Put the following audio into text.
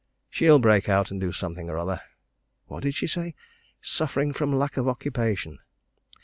"She'll break out and do something or other. What did she say? 'Suffering from lack of occupation'?